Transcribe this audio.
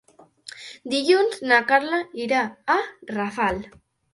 Dilluns na Carla irà a Rafal.